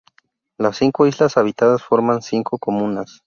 Las cinco islas habitadas forman cinco comunas.